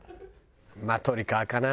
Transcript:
まあ鳥皮かな。